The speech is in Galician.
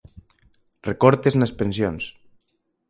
Recortes nas pensións.